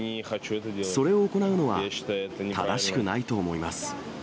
それを行うのは正しくないと思います。